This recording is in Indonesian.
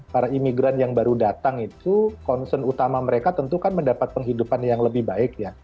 para imigran yang baru datang itu concern utama mereka tentukan mendapatkan penghidupan yang lebih baik